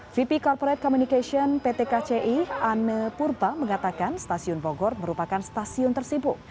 vp corporate communication pt kci ame purba mengatakan stasiun bogor merupakan stasiun tersibuk